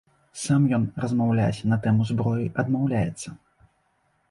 Сам ён размаўляць на тэму зброі адмаўляецца.